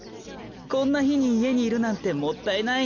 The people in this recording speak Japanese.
こんなひにいえにいるなんてもったいないね。